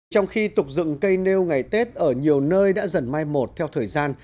trong khi tục dựng cây nêu ngày tết ở nhiều nơi đã dần mai một theo thời gian